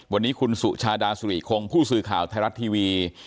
วันนี้คุณสุชาดาสุริคงผู้สื่อข่าวไทยรัฐทีวี